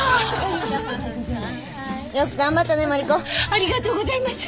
ありがとうございます。